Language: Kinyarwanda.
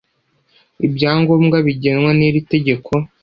ibyangombwa bigenwa n'iri tegeko